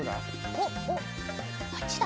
おっおっあっちだ。